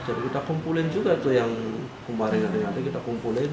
jadi kita kumpulin juga tuh yang kemarin nanti nanti kita kumpulin